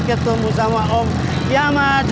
ketemu sama om kiamat